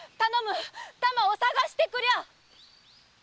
たまを捜してくりゃ！